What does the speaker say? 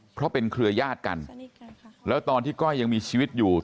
เพราะเป็นเครือยาศกันแล้วตอนที่ก้อยยังมีชีวิตอยู่